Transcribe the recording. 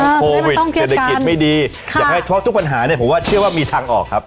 ทั้งโควิดเศรษฐกิจไม่ดีอยากให้ทอทุกปัญหาผมเชื่อว่ามีทางออกครับ